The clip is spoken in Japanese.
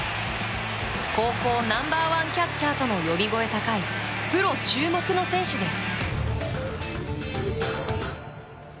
高校ナンバー１キャッチャーとの呼び声高いプロ注目の選手です。